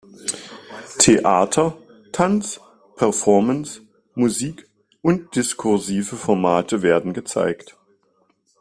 Theater, Tanz, Performance, Musik und diskursive Formate werden gezeigt.